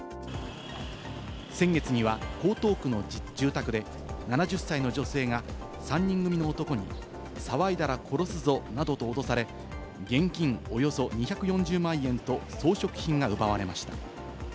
先月には、江東区の住宅で７０歳の女性が３人組の男に「騒いだら殺すぞ！」などと脅され、現金およそ２４０万円と装飾品が奪われました。